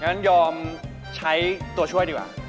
งั้นยอมใช้ตัวช่วยดีกว่า